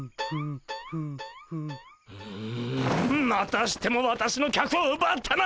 むむまたしても私の客をうばったな！